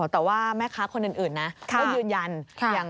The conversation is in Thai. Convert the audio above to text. แต่ว่าแม่ค้าคนอื่นนะยันยันค่ะ